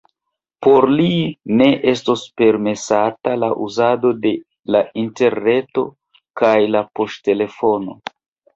Por li ne estos permesata la uzado de la interreto kaj la poŝtelefono.